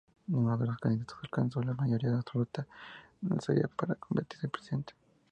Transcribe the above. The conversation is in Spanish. Ninguno de los candidatos alcanzó la mayoría absoluta necesaria para convertirse en presidente.